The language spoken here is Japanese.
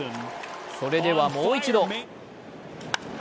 それでは、もう一度。